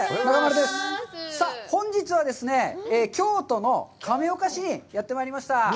さあ、本日はですね、京都の亀岡市にやってきました。